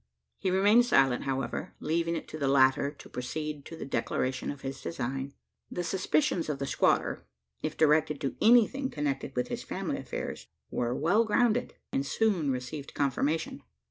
He remained silent, however; leaving it to the latter to proceed to the declaration of his design. The suspicions of the squatter if directed to anything connected with his family affairs were well grounded, and soon received confirmation.